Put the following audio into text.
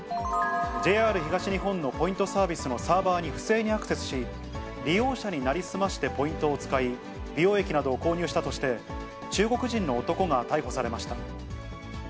ＪＲ東日本のポイントサービスのサーバーに不正にアクセスし、利用者に成り済ましてポイントを使い、美容液などを購入したとして、中国人の男が逮捕されました。